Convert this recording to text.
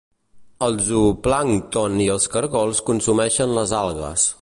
El zooplàncton i els cargols consumeixen les algues.